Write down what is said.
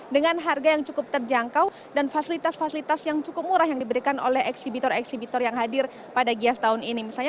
dengan harga yang cukup terjangkau dan fasilitas fasilitas yang cukup murah yang diberikan oleh eksibitor eksibitor yang hadir pada gias tahun ini